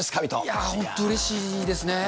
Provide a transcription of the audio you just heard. いやぁ、本当うれしいですね。